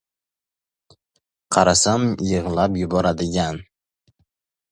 Qarasam, yig‘lab yuboradigan!